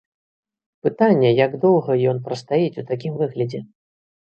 Пытанне, як доўга ён прастаіць у такім выглядзе.